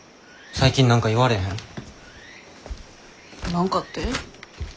何かって？